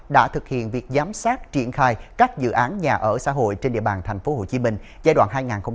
đã thực hiện việc giám sát triển khai các dự án nhà ở xã hội trên địa bàn thành phố hồ chí minh giai đoạn hai nghìn một mươi sáu hai nghìn hai mươi năm